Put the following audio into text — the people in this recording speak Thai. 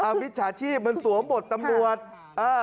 อ่าพิชาชีพมันสวมบทตำรวจ